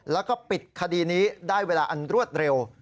แล้วก็ปิดคดีนี้ได้เวลาอันรวดเร็ว